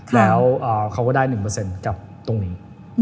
แล้วเค้าก็ได้๑เปอร์เซ็นต์ตรงนี้